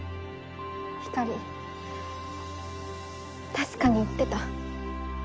確かに言ってた。